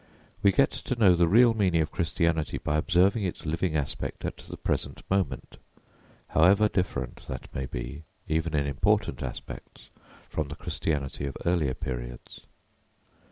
We get to know the real meaning of Christianity by observing its living aspect at the present moment however different that may be, even in important respects, from the Christianity of earlier periods.